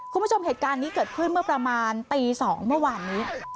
คุณผู้ชมเหตุการณ์นี้เกิดขึ้นเมื่อประมาณตี๒เมื่อวานนี้